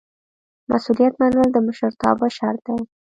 مسؤلیت منل د مشرتابه شرط دی.